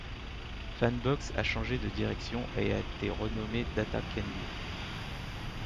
Fanbox a changé de direction et a été renommée DataCandy.